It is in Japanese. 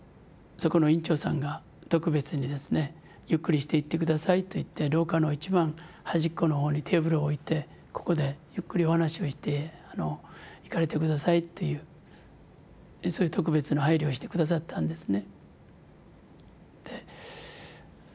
「ゆっくりしていって下さい」と言って廊下の一番端っこの方にテーブルを置いて「ここでゆっくりお話しをしていかれて下さい」っていうそういう特別な配慮をして下さったんですね。